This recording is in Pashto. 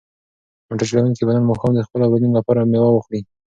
موټر چلونکی به نن ماښام د خپلو اولادونو لپاره مېوه واخلي.